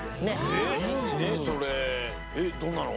えっそれどんなの？